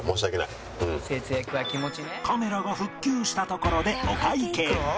カメラが復旧したところでお会計。